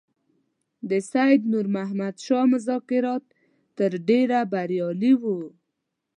د سید نور محمد شاه مذاکرات تر ډېره بریالي وو.